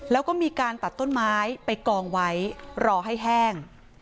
แล้วก็มีการตัดต้นไม้ไปกองไว้รอให้แห้ง